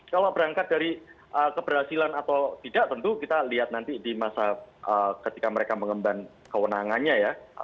kalau berangkat dari keberhasilan atau tidak tentu kita lihat nanti di masa ketika mereka mengemban kewenangannya ya